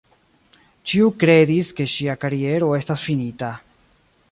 Ĉiu kredis, ke ŝia kariero estas finita.